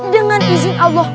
dengan izin allah